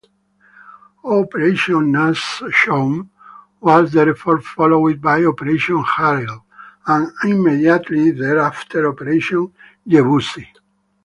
Operation Nachshon was therefore followed by Operation Harel, and immediately thereafter Operation Yevusi.